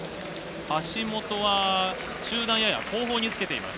橋本は中段やや後方につけています。